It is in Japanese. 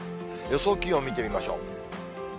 予想気温見てみましょう。